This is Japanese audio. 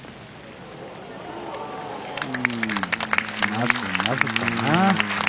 まずまずかな。